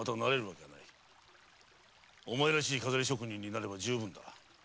お前らしい錺り職人になれば充分だ。